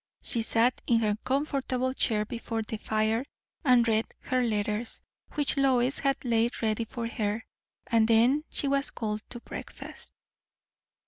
She sat in her comfortable chair before the fire and read her letters, which Lois had laid ready for her; and then she was called to breakfast.